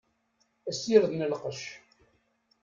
Asired n lqec.